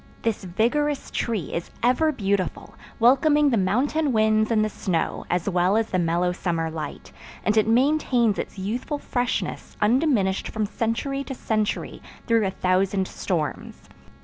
This vigorous tree is ever beautiful, welcoming the mountain winds and the snow as well as the mellow summer light; and it maintains its youthful freshness undiminished from century to century through a thousand storms.